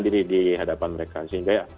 diri di hadapan mereka sehingga ya